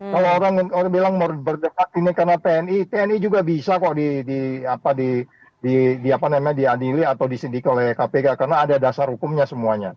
kalau orang bilang mau berdebat ini karena tni tni juga bisa kok di adili atau di sindik oleh kpk karena ada dasar hukumnya semuanya